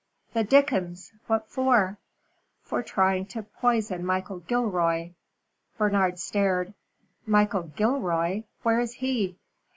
"The dickens! What for?" "For trying to poison Michael Gilroy!" Bernard stared. "Michael Gilroy? Where is he?"